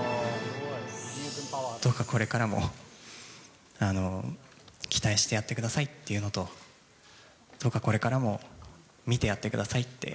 どうかこれからも、期待してやってくださいっていうのと、どうかこれからも見てやってくださいって。